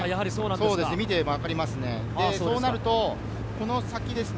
見ていればわかりますね。